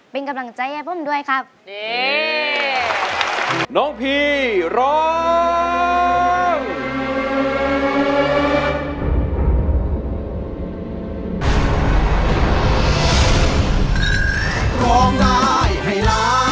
เพิ่งไข่ใส้ร่วงเพียงไอศาล